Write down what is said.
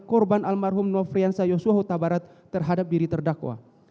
korban almarhum nofrianza yosuahutabarat terhadap biri terdakwa